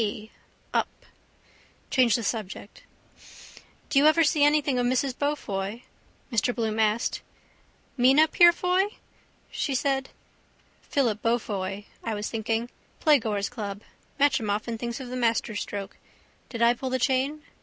p: up. Change the subject. —Do you ever see anything of Mrs Beaufoy? Mr Bloom asked. —Mina Purefoy? she said. Philip Beaufoy I was thinking. Playgoers' Club. Matcham often thinks of the masterstroke. Did I pull the chain?